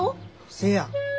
せや。